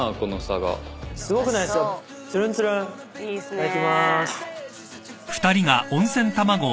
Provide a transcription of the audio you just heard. いただきます。